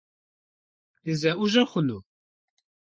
Дызэӏущӏэ хъуну?